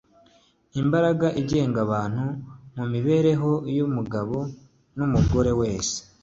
imbaraga igenga abantu mu mibereho yumugabo numugore wese